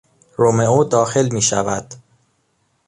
رومئو داخل میشود.